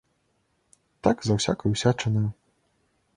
Так за ўсякаю ўсячынаю.